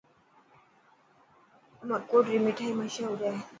عمرڪوٽ ري مٺائن مشهور هي.